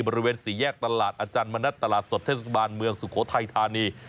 บริเวณสี่แยกตลาดอาจารย์มณัฐตลาดสดเทศบาลเมืองสุโขทัยธานี